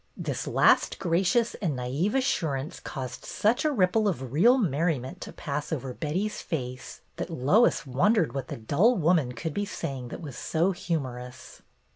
This last gracious and naive assurance caused such a ripple of real merriment to pass over Betty's face that Lois wondered what the dull woman could be saying that was so hu morous.